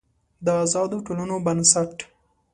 د آزادو ټولنو بنسټ